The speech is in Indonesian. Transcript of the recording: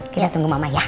kita tunggu mama ya